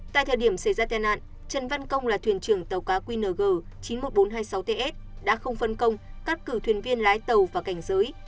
tại thời điểm xảy ra tai nạn trần văn công là thuyền trưởng tàu cá qng chín mươi một nghìn bốn trăm hai mươi sáu ts đã không phân công cắt cử thuyền viên lái tàu và cảnh giới